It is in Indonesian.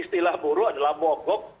istilah buruh adalah mogok